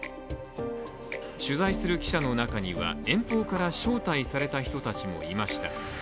取材する記者の中には遠方から招待された人たちもいました。